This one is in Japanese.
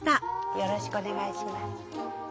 よろしくお願いします。